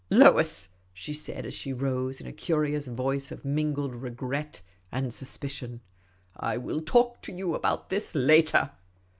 " Lois," she said, as she rose, in a curious voice of mingled regret and suspicion, " I will talk to you about this later."